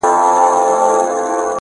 • عاقل نه سوې چي مي څومره خوارۍ وکړې,